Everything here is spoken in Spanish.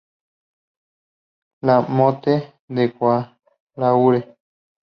La Motte-de-Galaure